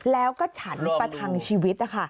แล้วก็ฉันประทังชีวิตนะคะ